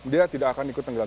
dia tidak akan ikut tenggelam